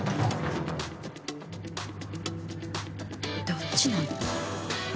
どっちなの？